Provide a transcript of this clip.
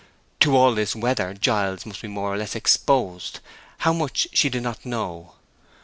To all this weather Giles must be more or less exposed; how much, she did not know.